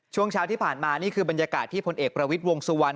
ช่วงเช้าที่ผ่านมานี่คือบรรยากาศที่พลเอกประวิทย์วงสุวรรณ